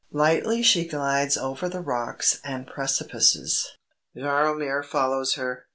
Lightly she glides above the rocks and precipices. Jaromir follows her.